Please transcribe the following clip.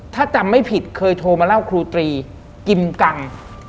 ถ้าจำไม่ผิดเคยโทรมาเล่าครูตรีกิมกัง